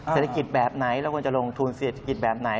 เศรษฐกิจแบบไหนเราควรจะลงทุนเศรษฐกิจแบบไหน